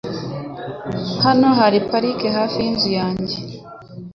Hano hari parike hafi yinzu yanjye.